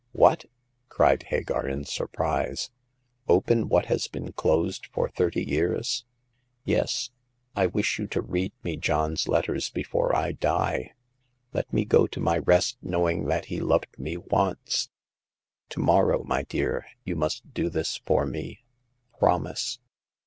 "What!" cried Hagar, in surprise — "open what has been closed for thirty years !" "Yes ; I wish you to read me John's letters before I die. Let me go to my rest knowing that he loved me once. To morrow, my dear, you must do this for me. Promise."